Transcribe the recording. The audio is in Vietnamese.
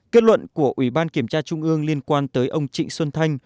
kết luận của ủy ban kiểm tra trung ương liên quan tới ông trịnh xuân thanh